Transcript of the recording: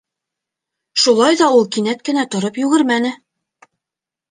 Шулай ҙа ул кинәт кенә тороп йүгермәне.